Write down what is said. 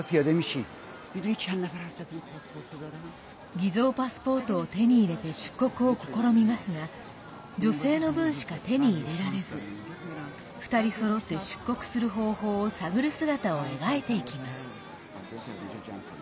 偽造パスポートを手に入れて出国を試みますが女性の分しか手に入れられず２人そろって出国する方法を探る姿を描いていきます。